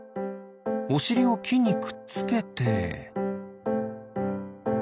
おしりをきにくっつけて。